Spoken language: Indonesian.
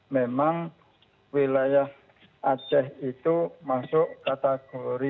memang wilayah aceh itu masuk kategori